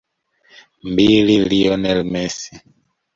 MbiliLionel Messi